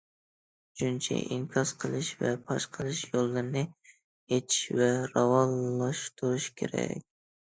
ئۈچىنچى، ئىنكاس قىلىش ۋە پاش قىلىش يوللىرىنى ئېچىش ۋە راۋانلاشتۇرۇش كېرەك.